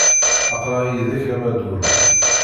Aql-aɣ yid-k a Maduro.